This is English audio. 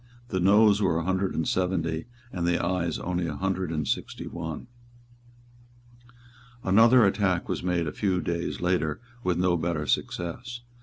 The Noes were a hundred and seventy, and the Ayes only a hundred and sixty one. Another attack was made a few days later with no better success.